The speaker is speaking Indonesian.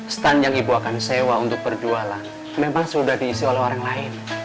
stand yang ibu akan sewa untuk perjualan memang sudah diisi oleh orang lain